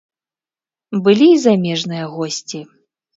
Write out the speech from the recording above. Былі і замежныя госці.